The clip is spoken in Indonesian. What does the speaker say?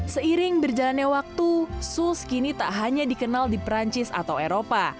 seiring berjalannya waktu suls kini tak hanya dikenal di perancis atau eropa